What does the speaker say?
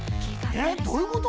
えっどういうこと！？